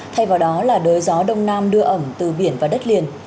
thay vào đó là đới gió đông nam đưa ẩm từ biển và đất liền